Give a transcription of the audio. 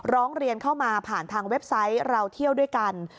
ร้องเรียนเข้ามาผ่านทางเว็บไซต์เราเที่ยวด้วยกัน